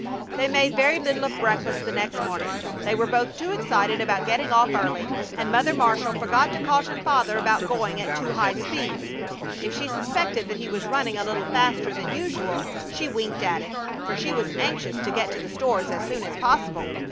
They made very little of breakfast the next morning; they were both too excited about getting off early; and Mother Marshall forgot to caution Father about going at too high speed. If she suspected that he was running a little faster than usual she winked at it, for she was anxious to get to the stores as soon as possible.